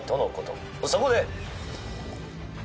そこで。